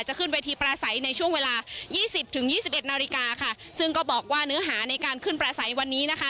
ขึ้นเวทีประสัยในช่วงเวลายี่สิบถึงยี่สิบเอ็ดนาฬิกาค่ะซึ่งก็บอกว่าเนื้อหาในการขึ้นประสัยวันนี้นะคะ